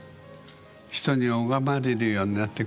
人に拝まれるようになって下さいね。